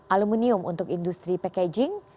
aluminium untuk industri packaging